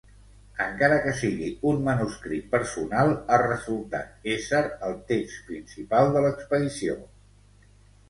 Encara que sigui un manuscrit personal, ha resultat ésser el text principal de l'expedició.